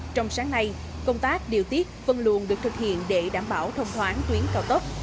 trong sáng nay công tác điều tiết phân luồn được thực hiện để đảm bảo thông thoáng tuyến cao tốc